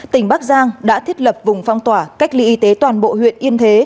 tỉnh bắc giang đã thiết lập vùng phong tỏa cách ly y tế toàn bộ huyện yên thế